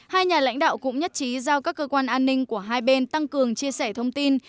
hai nhà lãnh đạo cũng nhất trí giao các cơ quan an ninh của hai bên tăng cường chia sẻ thông tin